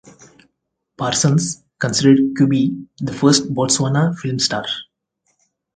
Parsons considered Kubi the "first Botswana film star".